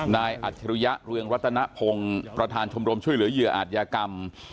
อัจฉริยะเรืองรัตนพงศ์ประธานชมรมช่วยเหลือเหยื่ออาจยากรรม